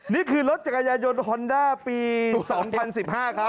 นี่คือรถจักรยายนฮอนด้าปี๒๐๑๕ครับ